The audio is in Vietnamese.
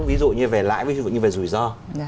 ví dụ như về lãi ví dụ như về rủi ro